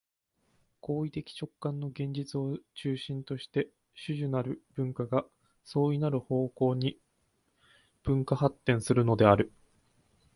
行為的直観の現実を中心として種々なる文化が相異なる方向に分化発展するのである。